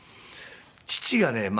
父がね